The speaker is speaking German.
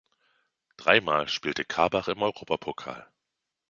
Dreimal spielte Karbach im Europapokal.